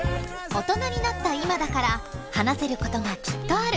オトナになった今だから話せることがきっとある。